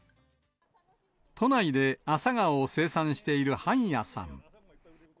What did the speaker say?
都内でアサガオを生産している半谷さん。